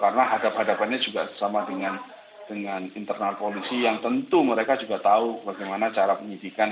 karena hadapan hadapannya juga sama dengan internal polisi yang tentu mereka juga tahu bagaimana cara penyidikan